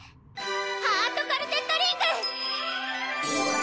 ハートカルテットリング！